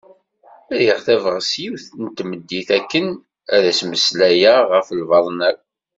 Rriɣ tabɣest yiwet n tmeddit akken ad as-mmeslayeɣ ɣef lbaḍna-w.